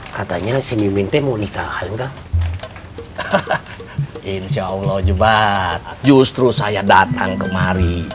katanya simin temu nikah nggak hahaha insyaallah jumat justru saya datang kemari